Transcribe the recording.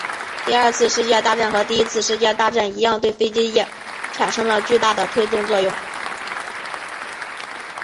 第二次世界大战和第一次世界大战一样对飞机业产生了巨大的推动作用。